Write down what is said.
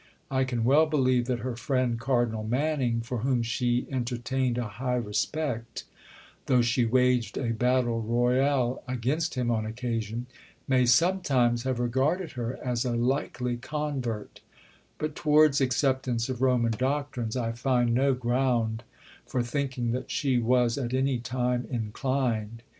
I can well believe that her friend Cardinal Manning, for whom she entertained a high respect (though she waged a battle royal against him on occasion), may sometimes have regarded her as a likely convert; but towards acceptance of Roman doctrines, I find no ground for thinking that she was at any time inclined.